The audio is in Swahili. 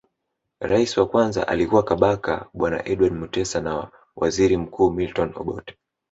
Rais wa kwanza alikuwa Kabaka bwana Edward Mutesa na waziri mkuu Milton Obote